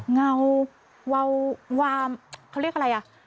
เงาวาววามเขาเรียกอะไรอ่ะ